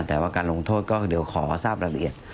แต่ว่าการลงโทษก็เดี๋ยวขอทราบรายละเอียด